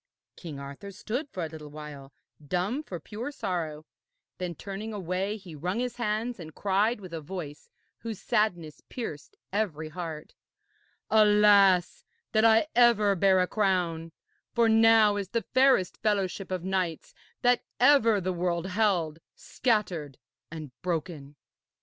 King Arthur stood for a little while dumb for pure sorrow; then, turning away, he wrung his hands and cried with a voice whose sadness pierced every heart: 'Alas, that ever I bare a crown, for now is the fairest fellowship of knights that ever the world held, scattered and broken.'